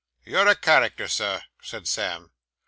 'You're a character, sir,' said Sam.